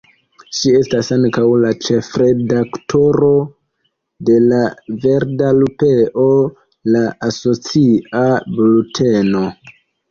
Ŝi estas ankaŭ la ĉefredaktoro de La Verda Lupeo, la asocia bulteno.